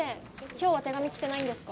今日は手紙来てないんですか？